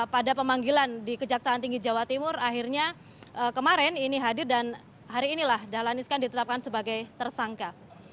pada pemanggilan di kejaksaan tinggi jawa timur akhirnya kemarin ini hadir dan hari inilah dahlan iskan ditetapkan sebagai tersangka